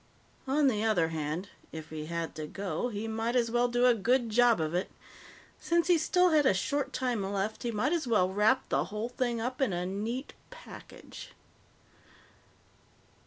On the other hand, if he had to go, he might as well do a good job of it. Since he still had a short time left, he might as well wrap the whole thing up in a neat package.